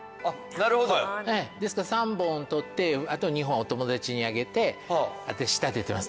なるほどですから３本取ってあと２本はお友達にあげて仕立ててます